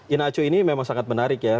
iheanacho ini memang sangat menarik ya